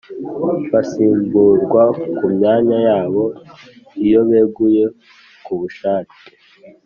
Basimbuirwa ku myanya yabo iyo beguye ku bushake